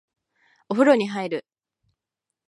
お風呂に入る